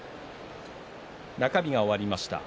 中日が終わりました。